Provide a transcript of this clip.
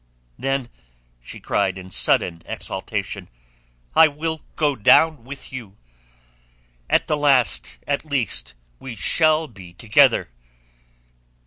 "Then," she cried in sudden exaltation, "I will go down with you. At the last, at least, we shall be together."